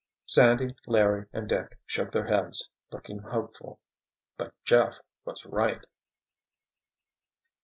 Sandy, Larry and Dick shook their heads, looking hopeful. But Jeff was right!